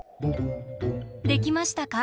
できましたか？